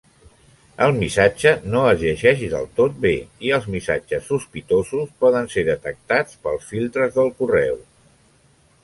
El missatge no es llegeix del tot bé i els missatges sospitosos poden ser detectats pels filtres del correu.